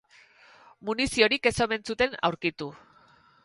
Muniziorik ez omen zuten aurkitu.